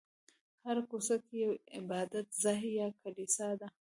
هره کوڅه کې یو عبادت ځای یا کلیسا ده.